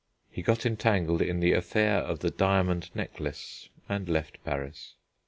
He got entangled in the affair of the Diamond Necklace, and left Paris.